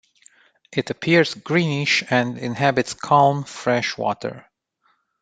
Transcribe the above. It appears greenish and inhabits calm, fresh water.